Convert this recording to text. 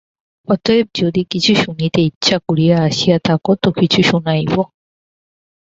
অতএব যদি কিছু শুনিতে ইচ্ছা করিয়া আসিয়া থাক তো কিছু শুনাইব।